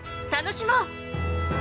楽しもう！